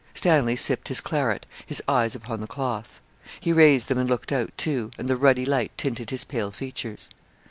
Stanley sipped his claret, his eyes upon the cloth. He raised them and looked out, too; and the ruddy light tinted his pale features.